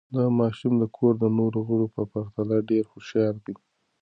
دا ماشوم د کور د نورو غړو په پرتله ډېر هوښیار دی.